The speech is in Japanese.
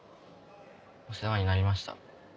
お世話になりました。